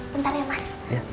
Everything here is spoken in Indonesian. bentar ya mas